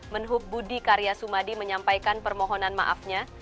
menhub budi karya sumadi menyampaikan permohonan maafnya